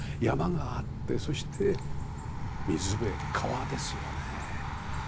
山があってそして水辺川ですよね。